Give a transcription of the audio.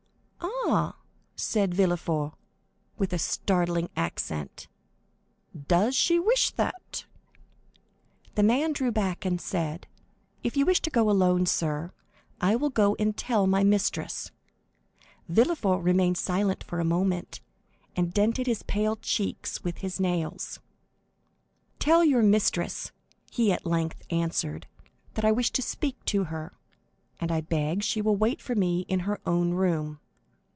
"Ah," said Villefort, with a startling accent; "does she wish that?" The servant drew back and said, "If you wish to go alone, sir, I will go and tell my mistress." Villefort remained silent for a moment, and dented his pale cheeks with his nails. "Tell your mistress," he at length answered, "that I wish to speak to her, and I beg she will wait for me in her own room."